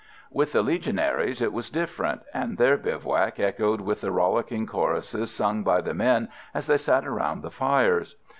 With the Legionaries it was different, and their bivouac echoed with the rollicking choruses sung by the men as they sat around the fires.